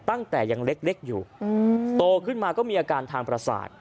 ตั้งแต่ยังเล็กอยู่โตขึ้นมาก็มีอาการทางประสาท